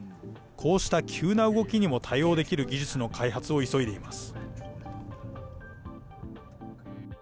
こうした急な動きにも対応できる技術の開発を急いでいます。